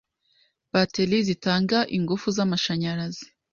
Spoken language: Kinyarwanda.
batterie zitanga ingufu z’amashanyarazi,